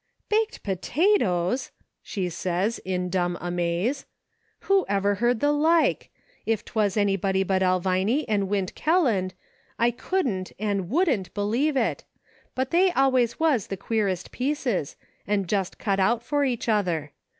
"Baked potatoes!" she says, in dumb amaze, " who ever heard the like ! If 'twas anybody but Elviny and Wint Kelland, I couldn't and wouldnt believe it, but they always was the queerest pieces, and just cut out for each other.